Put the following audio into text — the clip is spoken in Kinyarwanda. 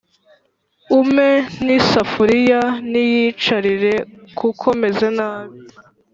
Umpe n'isafuriya niyicarire kuko meze nabi